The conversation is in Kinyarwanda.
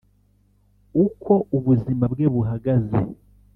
uko ubuzima bwe buhagaze